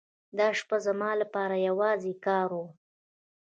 دا شپه زما لپاره یوازې کار و.